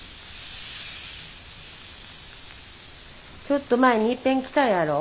ちょっと前にいっぺん来たやろ。